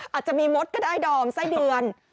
อาจจะมีมดก็ได้ดอมไส้เดือน